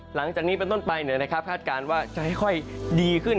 หลังจากนี้เป็นต้นไปคาดการณ์ว่าจะค่อยดีขึ้น